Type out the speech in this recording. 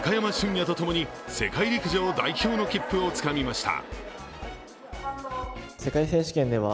野とともに世界陸上代表の切符をつかみました。